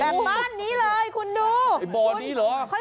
บ้านนี้เลยคุณดูไอ้บ่อนี้เหรอ